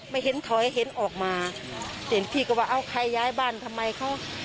ไม่เห็นถอยเห็นออกมาเห็นพี่ก็ว่าเอาใครย้ายบ้านทำไมเขา